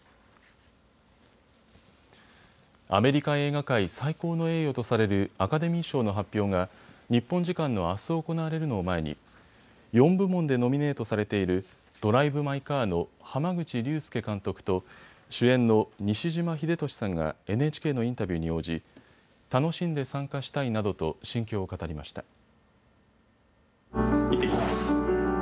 アメリカ映画界、最高の栄誉とされるアカデミー賞の発表が日本時間のあす行われるのを前に４部門でノミネートされているドライブ・マイ・カーの濱口竜介監督と主演の西島秀俊さんがＮＨＫのインタビューに応じ、楽しんで参加したいなどと心境を語りました。